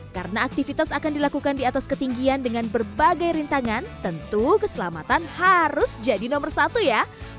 karena aktivitas akan dilakukan di atas ketinggian dengan berbagai rintangan tentu keselamatan harus jadi nomor satu ya